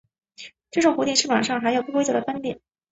这种蝴蝶翅膀上的还有不规则斑点。